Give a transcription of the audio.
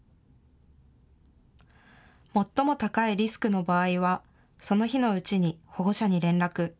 最も高いリスクの場合は、その日のうちに保護者に連絡。